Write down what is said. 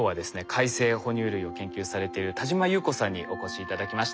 海棲哺乳類を研究されている田島木綿子さんにお越し頂きました。